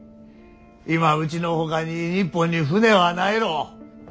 今うちのほかに日本に船はないろう。